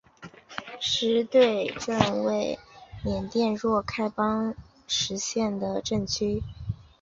实兑镇为缅甸若开邦实兑县的镇区。